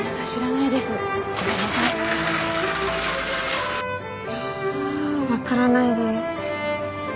いやあわからないです。